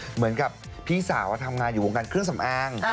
เหมือนกับพี่สาวทำงานอยู่วงการเครื่องสำอาง